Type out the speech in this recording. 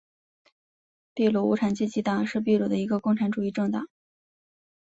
秘鲁无产阶级党是秘鲁的一个共产主义政党。